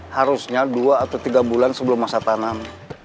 harusnya dua atau tiga bulan sebelum masa tanam